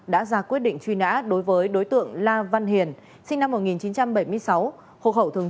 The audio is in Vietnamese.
đã ra quyết định truy nã đối với đối tượng la văn hiền sinh năm một nghìn chín trăm bảy mươi sáu